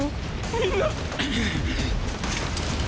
みんな！！